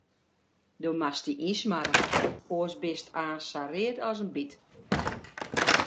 Do moatst dy no ynsmarre, oars bist aanst sa read as in byt.